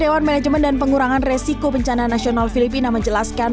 dewan manajemen dan pengurangan resiko bencana nasional filipina menjelaskan